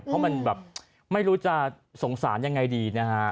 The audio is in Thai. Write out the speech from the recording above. เพราะมันแบบไม่รู้จะสงสารยังไงดีนะฮะ